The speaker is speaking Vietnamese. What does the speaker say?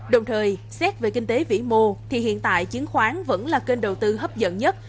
đồng thời xét về kinh tế vĩ mô thì hiện tại chiến khoán vẫn là kênh đầu tư hấp dẫn nhất